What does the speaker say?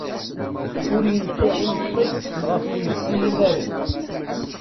Ur yenfiɛ imeṭṭi ɣef uyefki imaren.